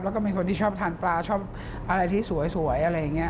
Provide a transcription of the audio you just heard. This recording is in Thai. แล้วก็เป็นคนที่ชอบทานปลาชอบอะไรที่สวยอะไรอย่างนี้